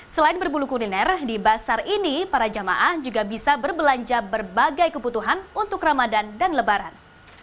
selain berbulu kuliner di basar ini para jamaah juga bisa berbelanja berbagai kebutuhan untuk ramadan dan lebaran